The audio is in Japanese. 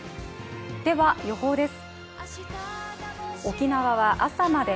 では予報です。